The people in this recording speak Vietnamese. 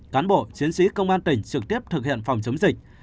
cán bộ chiến sĩ công an tỉnh trực tiếp thực hiện phòng chống dịch